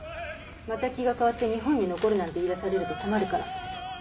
また気が変わって日本に残るなんて言いだされると困るから。